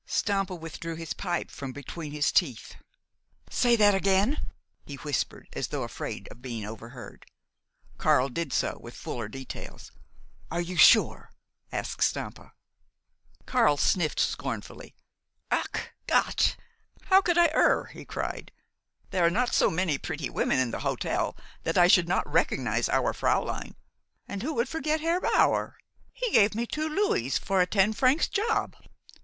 Stampa withdrew his pipe from between his teeth. "Say that again," he whispered, as though afraid of being overheard. Karl did so, with fuller details. "Are you sure?" asked Stampa. Karl sniffed scornfully. "Ach, Gott! How could I err?" he cried. "There are not so many pretty women in the hotel that I should not recognize our fräulein. And who would forget Herr Bower? He gave me two louis for a ten francs job.